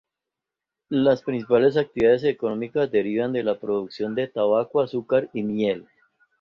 Las principales actividades económicas derivan de la producción de tabaco, azúcar y miel.